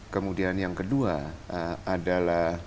kemudian yang kedua adalah